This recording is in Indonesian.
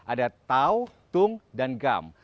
ada tau tung dan gam